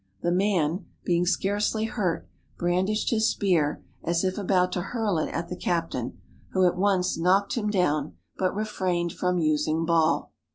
The man, being scarcely hurt, brandished his spear as if about to hurl it at the captain, who at once knocked him down, but refrained from using ball.